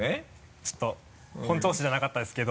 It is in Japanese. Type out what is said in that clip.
ちょっと本調子じゃなかったですけど。